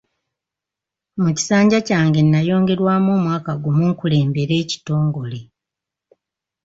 Mu kisanja kyange nayongerwamu omwaka gumu nkulembere ekitongole.